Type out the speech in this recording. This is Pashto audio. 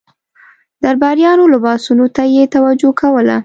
درباریانو لباسونو ته یې توجه کوله.